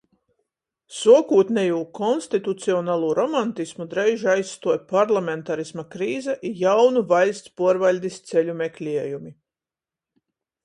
Suokūtnejū konstitucionalū romantismu dreiži aizstuoja parlamentarisma krize i jaunu vaļsts puorvaļdis ceļu mekliejumi.